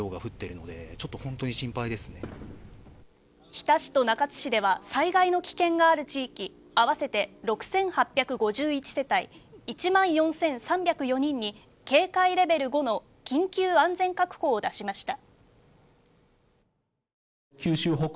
日田市と中津市では、災害の危険がある地域、合わせて６８５１世帯１万４３０４人に警戒レベル５の緊急安全確保を出しました。